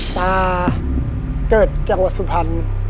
ตาเกิดแกล้งวัดสุพรรณ